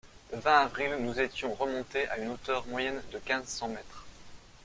Le vingt avril, nous étions remontés à une hauteur moyenne de quinze cents mètres.